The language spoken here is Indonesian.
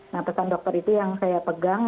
nah pesan dokter itu yang saya pegang